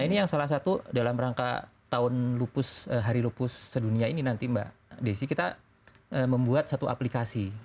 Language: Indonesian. nah ini yang salah satu dalam rangka tahun lupus hari lupus sedunia ini nanti mbak desi kita membuat satu aplikasi